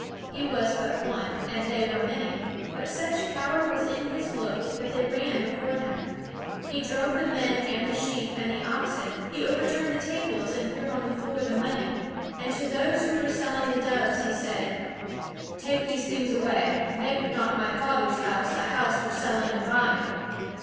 He was but one, and they were many; but such power was in his look, that they ran before him. He drove the men and the sheep and the oxen; he overturned the tables and threw on the floor the money, and to those who were selling the doves he said: "Take these things away; make not my Father's house a house for selling and buying!"